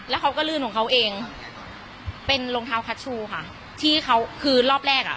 แล้วเขาก็ลื่นของเขาเองเป็นรองเท้าคัชชูค่ะที่เขาคือรอบแรกอ่ะ